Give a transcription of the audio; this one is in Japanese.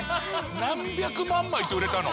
何百万枚って売れたの。